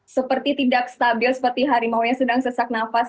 seperti tidak stabil seperti harimau yang sedang sesak nafas